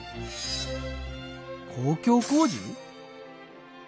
公共工事？